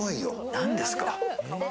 何ですか？